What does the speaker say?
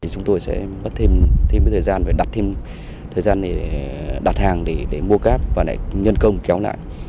chúng tôi sẽ mất thêm thời gian để đặt hàng để mua cắp và nhân công kéo lại